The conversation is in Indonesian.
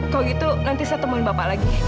kalau gitu nanti saya temuin bapak lagi